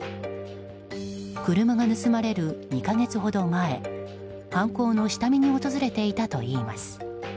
車が盗まれる２か月ほど前犯行の下見に訪れていたといいます。